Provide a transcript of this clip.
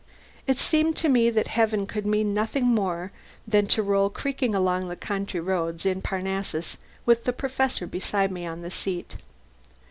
It seemed to me that heaven could mean nothing more than to roll creaking along country roads, in Parnassus, with the Professor beside me on the seat.